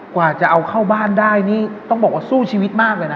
กว่าจะเอาเข้าบ้านได้นี่ต้องบอกว่าสู้ชีวิตมากเลยนะ